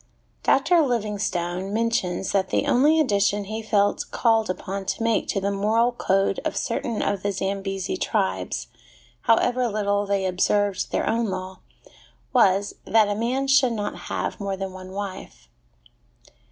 Dr Livingstone mentions that the only addition he felt called upon to make to the moral code of certain of the Zambesi tribes (however little they observed their own law) was, that a man should not have more than one wife.